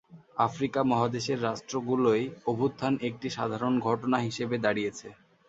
Africa মহাদেশের রাষ্ট্রগুলোয় অভ্যুত্থান একটি সাধারণ ঘটনা হিসেবে দাঁড়িয়েছে।